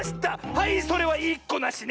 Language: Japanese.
はいそれはいいっこなしね！